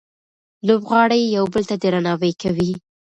لوبغاړي یو بل ته درناوی کوي.